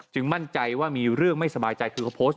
จึงมั่นใจว่ามีเรื่องไม่สบายใจ